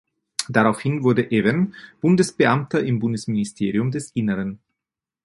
Daraufhin wurde Even Bundesbeamter im Bundesministerium des Innern.